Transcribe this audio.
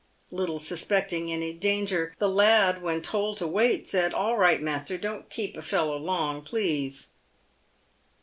Little suspecting any danger, the lad, when told to wait, said, " All right, master, don't keep a fellow long, please."